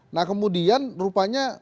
nah kemudian rupanya